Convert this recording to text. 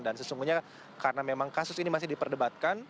dan sesungguhnya karena memang kasus ini masih diperdebatkan